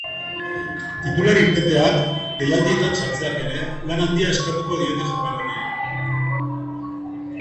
Titular irteteak, deialdietan sartzeak ere, lan handia eskatuko diete jokalariei.